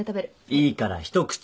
いいから一口。